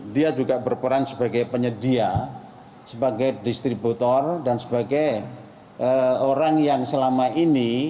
dia juga berperan sebagai penyedia sebagai distributor dan sebagai orang yang selama ini